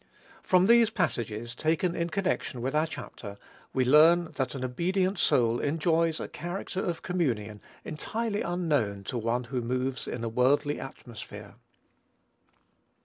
From these passages, taken in connection with our chapter, we learn that an obedient soul enjoys a character of communion entirely unknown to one who moves in a worldly atmosphere.